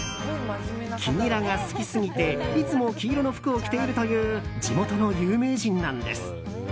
黄ニラが好きすぎていつも黄色の服を着ているという地元の有名人なんです。